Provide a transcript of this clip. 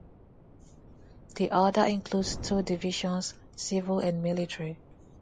The Order includes two Divisions, Civil and Military.